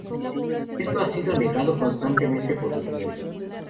Esto ha sido negado constantemente por sus miembros.